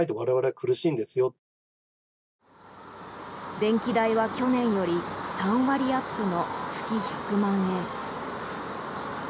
電気代は去年より３割アップの月１００万円。